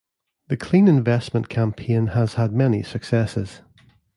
The Clean Investment campaign has had many successes.